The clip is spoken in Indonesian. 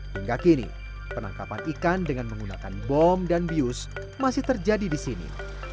hingga kini penangkapan ikan dengan menggunakan bom dan bius masih terjadi di sini